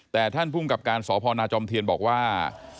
แต่ท่านภูมิกับการสพนาจอมเทียนบอกว่า